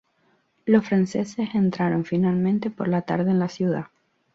Los franceses entraron finalmente por la tarde en la ciudad.